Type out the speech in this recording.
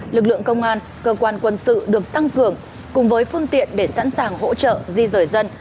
lực lượng công an cơ quan quân sự được tăng cường cùng với phương tiện để sẵn sàng hỗ trợ di rời dân